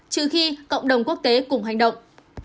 trừ khi cộng đồng quốc tế cùng hành động